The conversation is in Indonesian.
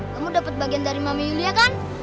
kamu dapat bagian dari mama yulia kan